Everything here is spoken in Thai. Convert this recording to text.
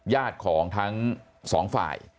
ญาติของทั้งสองฝ่าย